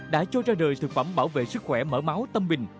đã cho ra đời thực phẩm bảo vệ sức khỏe mở máu tâm bình